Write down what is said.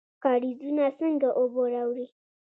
کاریزونه څنګه اوبه راوړي؟